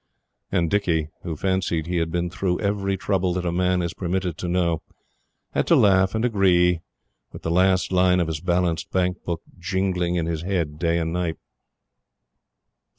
And Dicky, who fancied he had been through every trouble that a man is permitted to know, had to laugh and agree; with the last line of his balanced Bank book jingling in his head day and night.